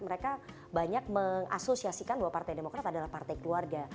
mereka banyak mengasosiasikan bahwa partai demokrat adalah partai keluarga